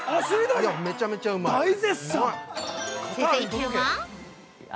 めちゃめちゃうまい。